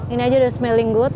ini aja udah smelling good